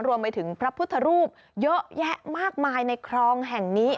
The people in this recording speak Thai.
รวมไปถึงพระพุทธรูปเยอะแยะมากมายในคลองแห่งนี้